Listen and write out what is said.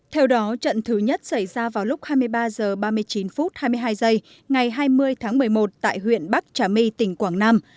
theo đó trận thứ nhất xảy ra vào lúc hai mươi ba h ba mươi chín phút hai mươi hai giây ngày hai mươi tháng một mươi một tại huyện bắc trà my tỉnh quảng nam